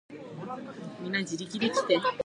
There are advantages and disadvantages to each approach.